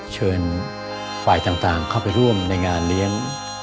เชิญฝ่ายต่างเข้าไปร่วมในงานเลี้ยง